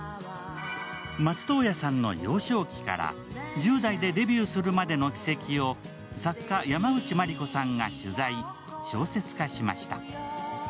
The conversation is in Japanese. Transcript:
松任谷さんの幼少期から１０代でデビューするまでの軌跡を作家、山内マリコさんが取材小説家しました。